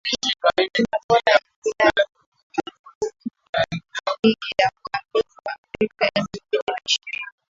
Timu bora ya Mpira wa Miguu Ligi ya Mabingwa Afrika elfu mbili na ishirini